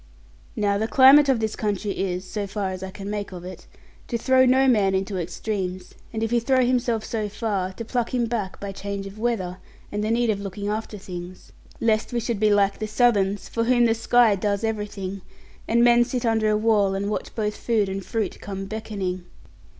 Now the climate of this country is so far as I can make of it to throw no man into extremes; and if he throw himself so far, to pluck him back by change of weather and the need of looking after things. Lest we should be like the Southerns, for whom the sky does everything, and men sit under a wall and watch both food and fruit come beckoning.